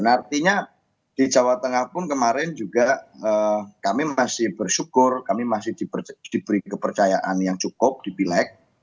artinya di jawa tengah pun kemarin juga kami masih bersyukur kami masih diberi kepercayaan yang cukup di pileg